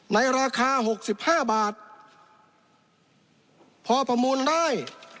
ในราคา๖๕บาทพอประมูลได้